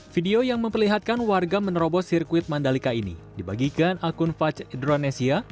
video yang memperlihatkan warga menerobos sirkuit mandalika ini dibagikan akun faj dronesia